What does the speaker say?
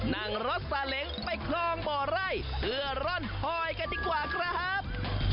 นั่งรถสาเล้งไปคลองบ่อไร่เพื่อร่อนหอยกันดีกว่าครับ